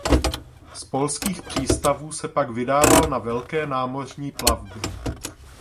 Z polských přístavů se pak vydával na velké námořní plavby.